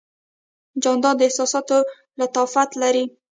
جانداد د احساساتو لطافت لري.